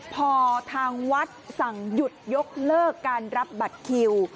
พอทางวัดสั่งหยุดยกเลิกการรับบัตรคิว